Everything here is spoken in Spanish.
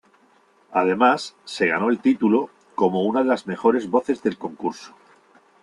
Además se ganó el título, como una de las mejores voces del concurso.